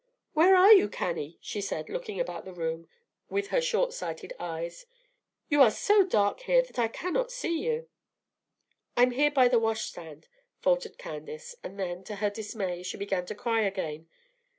"Where are you, Cannie?" she said, looking about the room with her short sighted eyes. "You are so dark here that I cannot see you." "I'm here by the washstand," faltered Candace; and then, to her dismay, she began to cry again.